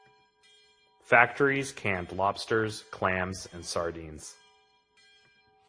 Factories canned lobsters, clams and sardines.